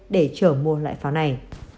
để chờ mua lại pháo này